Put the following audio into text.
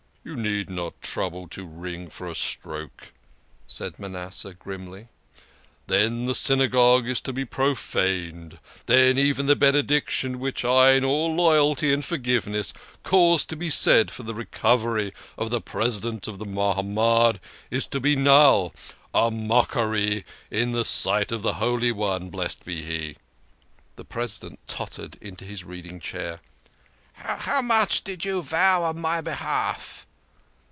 " You need not trouble to ring for a stroke," said Manas seh grimly. "Then the Synagogue is to be profaned, then even the Benediction which I in all loyalty and forgive ness caused to be said for the recovery of the President of the Mahamad is to be null, a mockery in the sight of the Holy One, blessed be He !" The President tottered into his reading chair. " How much did you vow on my behalf?